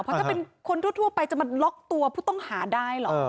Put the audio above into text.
เพราะถ้าเป็นคนทั่วไปจะมาล็อกตัวผู้ต้องหาได้เหรอ